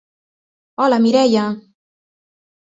Hola, Mireia.